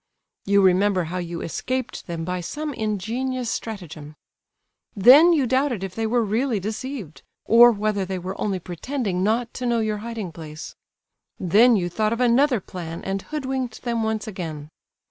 You remember how you escaped them by some ingenious stratagem; then you doubted if they were really deceived, or whether they were only pretending not to know your hiding place; then you thought of another plan and hoodwinked them once again.